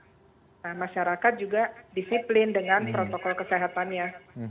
nah masyarakat juga disiplin dengan protokol kesehatannya